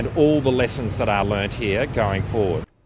yang telah diperlukan di sini